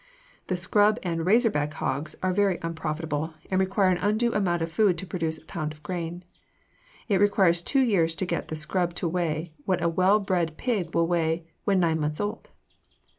The scrub and "razorback" hogs are very unprofitable, and require an undue amount of food to produce a pound of gain. It requires two years to get the scrub to weigh what a well bred pig will weigh when nine months old.